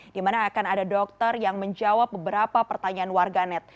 di mana akan ada dokter yang menjawab beberapa pertanyaan warganet